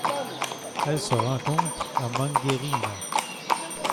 Elle se rencontre à Mangueirinha.